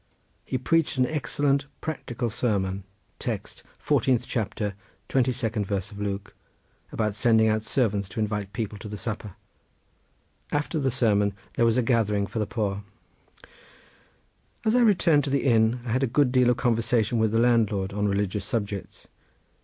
He preached an excellent practical sermon, text 14th chapter 22nd verse of Luke, about sending out servants to invite people to the supper. After the sermon there was a gathering for the poor. As I returned to the inn I had a good deal of conversation with the landlord on religious subjects.